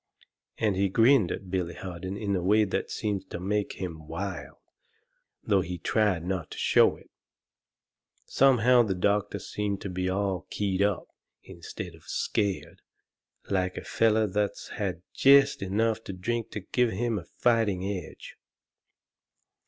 And he grinned at Billy Harden in a way that seemed to make him wild, though he tried not to show it. Somehow the doctor seemed to be all keyed up, instead of scared, like a feller that's had jest enough to drink to give him a fighting edge.